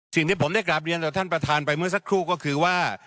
สิ่งที่ผมได้กราบเรียนต่อท่านประธานไปเมื่อสักครู่ก็คือว่า